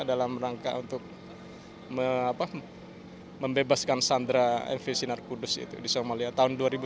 dalam rangka untuk membebaskan sandera mv sinar kudus di somalia tahun dua ribu sebelas